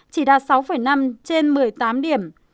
chỉ đạt sáu năm trên một mươi tám điểm